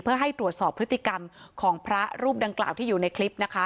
เพื่อให้ตรวจสอบพฤติกรรมของพระรูปดังกล่าวที่อยู่ในคลิปนะคะ